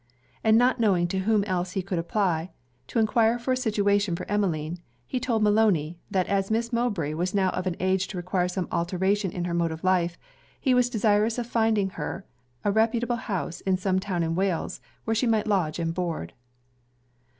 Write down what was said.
And not knowing to whom else he could apply, to enquire for a situation for Emmeline, he told Maloney, that as Miss Mowbray was now of an age to require some alteration in her mode of life, he was desirous of finding for her a reputable house in some town in Wales, where she might lodge and board.